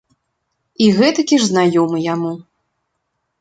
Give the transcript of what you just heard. І гэтакі ж знаёмы яму.